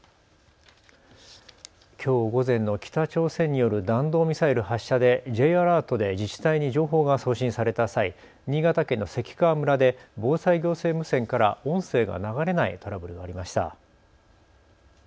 きょう午前の北朝鮮による弾道ミサイル発射でＪアラートで自治体に情報が送信された際、新潟県の関川村で防災行政無線から音声が流れないトラブルがありました。